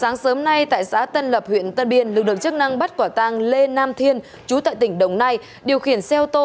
ngay tại xã tân lập huyện tân biên lực lượng chức năng bắt quả tàng lê nam thiên chú tại tỉnh đồng nai điều khiển xe ô tô